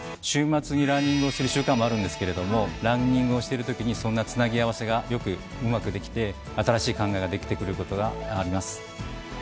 週末にランニングをする習慣もあるんですけれどもランニングをしてるときにそんなつなぎ合わせがよくうまくできて新しい考えができてくることがあります。